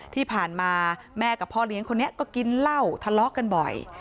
ที่ผ่านมาแม่กับพ่อเลี้ยงคนนี้ก็กินเหล้าทะเลาะกันบ่อย